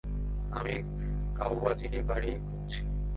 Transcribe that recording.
আমি কাওয়াজিরি বাড়ি খুজছি।